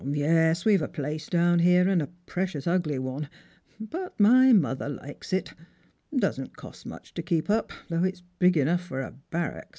" 0, yes, we've a place down here, and a precious ugly one, but my mother likes it ; doesn't cost much to keep up, though it's big enough for a barrack.